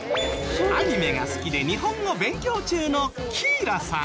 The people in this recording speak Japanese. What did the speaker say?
アニメが好きで日本語勉強中のキーラさん。